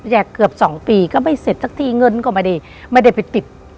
เกือบ๒ปีก็ไม่เสร็จสักทีเงินก็ไม่ได้ไปติด